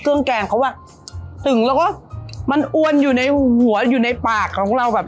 แกงเขาอ่ะตึงแล้วก็มันอ้วนอยู่ในหัวอยู่ในปากของเราแบบ